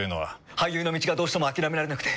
俳優の道がどうしても諦められなくて。